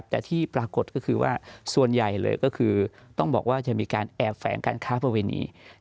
แต่ที่ปรากฏก็คือว่าส่วนใหญ่เลยก็คือต้องบอกว่าจะมีการแอบแฝงการค้าประเวณี